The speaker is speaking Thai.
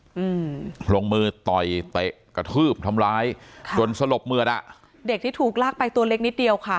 อืมลงมือต่อยเตะกระทืบทำร้ายค่ะจนสลบเหมือดอ่ะเด็กที่ถูกลากไปตัวเล็กนิดเดียวค่ะ